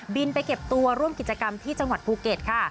ไปเก็บตัวร่วมกิจกรรมที่จังหวัดภูเก็ตค่ะ